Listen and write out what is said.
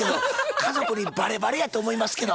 家族にバレバレやと思いますけど。